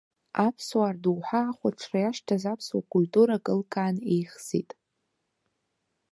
Аԥсуаа рдоуҳа ахәаҽра иашьҭаз аԥсуа культура кылкаан еихсит.